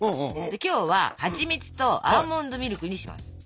今日ははちみつとアーモンドミルクにします。